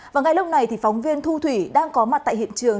và ngay lúc này thì phóng viên thu thủy đang có mặt tại hiện trường